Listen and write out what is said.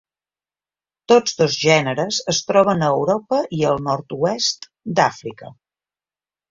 Tots dos gèneres es troben a Europa i al nord-oest d'Àfrica.